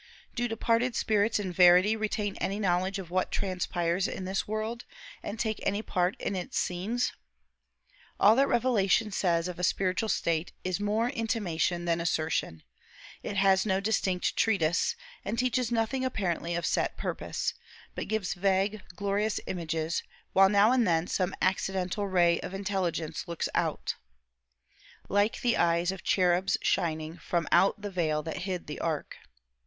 Do departed spirits in verity retain any knowledge of what transpires in this world, and take any part in its scenes? All that revelation says of a spiritual state is more intimation than assertion; it has no distinct treatise, and teaches nothing apparently of set purpose; but gives vague, glorious images, while now and then some accidental ray of intelligence looks out, "like eyes of cherubs shining From out the veil that hid the ark."